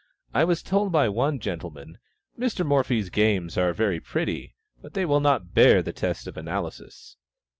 I was told by one gentleman "Mr. Morphy's games are very pretty, but they will not bear the test of analysis."